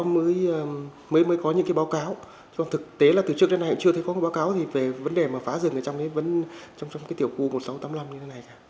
mới có những báo cáo thực tế là từ trước đến nay chưa thấy có báo cáo về vấn đề phá rừng trong tiểu khu một nghìn sáu trăm tám mươi năm như thế này cả